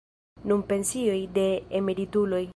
Nun pensioj de emerituloj.